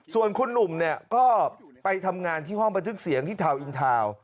ส่วนคุณหนุ่มก็ไปทำงานที่ห้องบัตร๊ึกเสียงที่ทาวอ์อินทาว